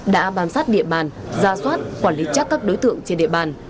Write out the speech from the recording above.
đã bám sát địa bàn ra soát quản lý chắc các đối tượng trên địa bàn